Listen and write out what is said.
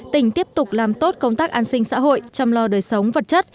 tỉnh tiếp tục làm tốt công tác an sinh xã hội chăm lo đời sống vật chất